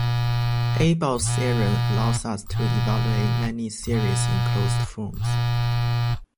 Abel's theorem allows us to evaluate many series in closed form.